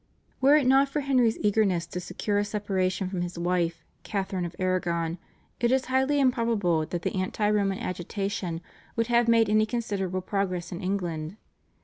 Were it not for Henry's eagerness to secure a separation from his wife, Catharine of Aragon, it is highly improbable that the anti Roman agitation would have made any considerable progress in England.